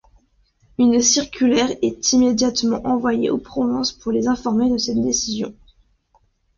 Une circulaire est immédiatement envoyée aux provinces pour les informer de cette décision.